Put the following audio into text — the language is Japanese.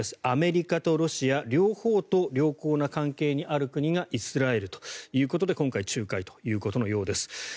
アメリカとロシア、両方と良好な関係にある国がイスラエルということで今回仲介ということのようです。